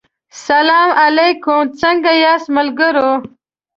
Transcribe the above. سلا علیکم څنګه یاست ملګرو